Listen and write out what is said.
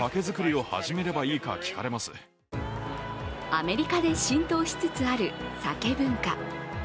アメリカで浸透しつつあるＳＡＫＥ文化。